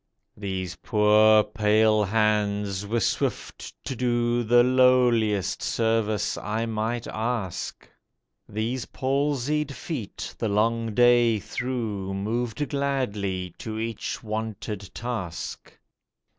These poor, pale hands were swift to do The lowliest service I might ask ; These palsied feet the long day through Moved gladly to each wonted task.